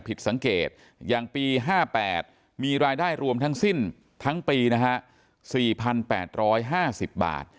ปี๕๘มีรายได้รวมทั้งสิ้นทั้งปี๔๘๕๐บาท